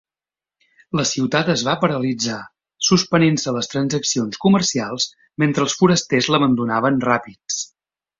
La ciutat es va paralitzar, suspenent-se les transaccions comercials, mentre els forasters l'abandonaven ràpids.